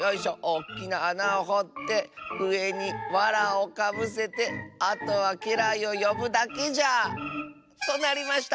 おっきなあなをほってうえにわらをかぶせてあとはけらいをよぶだけじゃ』となりました」。